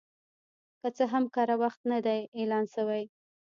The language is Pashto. که څه هم کره وخت نه دی اعلان شوی